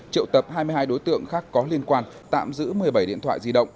triệu tập hai mươi hai đối tượng khác có liên quan tạm giữ một mươi bảy điện thoại di động